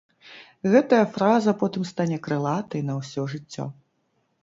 Гэтая фраза потым стане крылатай на ўсё жыццё.